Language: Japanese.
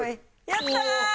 やったー！